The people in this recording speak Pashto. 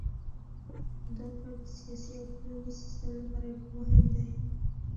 دا کار د سیاسي او ټولنیز سیستم لپاره ډیر مهم دی.